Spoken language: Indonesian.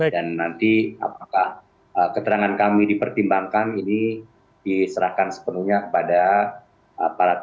dan nanti apakah keterangan kami dipertimbangkan ini diserahkan sepenuhnya kepada para